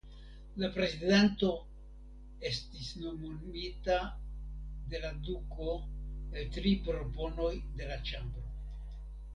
La prezidanto estis nomumita de la duko el tri proponoj de le ĉambro.